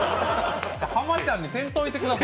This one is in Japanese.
浜ちゃんにせんといてください。